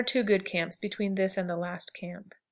One good camp between this and the last camp.